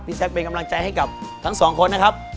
พี่แชคเป็นกำลังแจให้กับทั้ง๒คนนะครับ